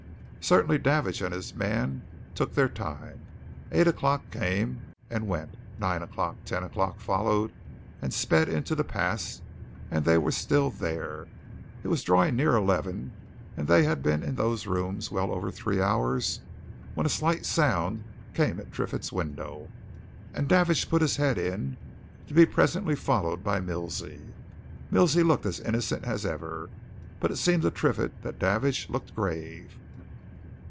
Certainly Davidge and his man took their time. Eight o'clock came and went nine o'clock, ten o'clock followed and sped into the past, and they were still there. It was drawing near to eleven, and they had been in those rooms well over three hours, when a slight sound came at Triffitt's window and Davidge put his head in, to be presently followed by Milsey. Milsey looked as innocent as ever, but it seemed to Triffitt that Davidge looked grave.